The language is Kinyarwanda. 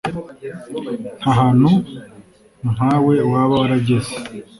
ntahantu nkawe waba warageze.